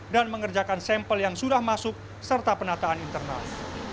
dan mengerjakan sampel yang sudah masuk serta penataan internal